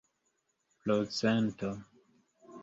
procento